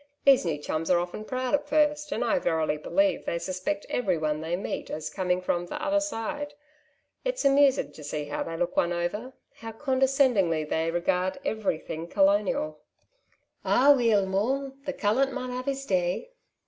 These new chums often are proud at first, and I verily believe they suspect every one they meet as coming from the ' other side/ I'ts amusing to see how they look one over, how condescendingly they regard every thing colonial/' ''Aweel, mon, the callant mun' have his day.